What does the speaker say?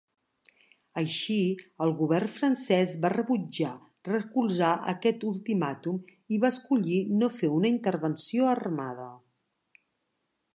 Així, el govern francès va rebutjar recolzar aquest ultimàtum i va escollir no fer una intervenció armada.